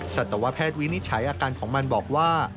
สัตวแพทย์วินิจฉัยอาการของมันบอกว่า